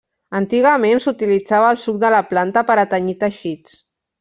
Antigament, s'utilitzava el suc de la planta per a tenyir teixits.